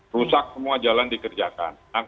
rusak semua jalan dikerjakan